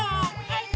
はい！